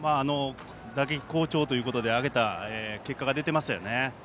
打撃好調ということで打順を上げた結果が出ていますね。